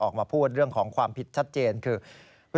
ออกมาพูดเรื่องของความผิดชัดเจนคือ